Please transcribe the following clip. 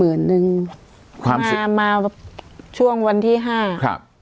มือหนึ่งความรุนมาช่วงวันที่ห้าครับ